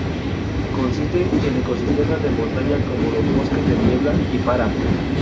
Consiste en ecosistemas de montaña, como los bosques de niebla y páramo.